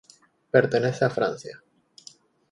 Pertenece a Francia.